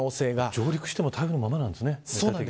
上陸しても台風のままなんですね。